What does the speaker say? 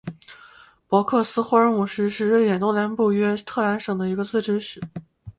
博克斯霍尔姆市是瑞典东南部东约特兰省的一个自治市。